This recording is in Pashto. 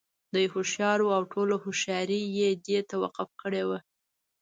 دى هوښيار وو او ټوله هوښياري یې دې ته وقف کړې وه.